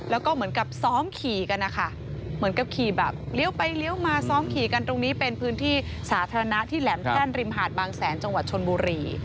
แล้วก็เหมือนกับซ้อมขี่กันนะคะเหมือนกับขี่แบบเลี้ยวไปเลี้ยวมาซ้อมขี่กันตรงนี้เป็นพื้นที่สาธารณะที่แหลมแท่นริมหาดบางแสนจังหวัดชนบุรี